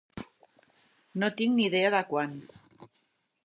No tinc ni idea de quant.